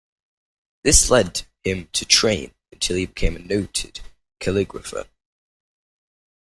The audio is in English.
This led him to train until he became a noted calligrapher.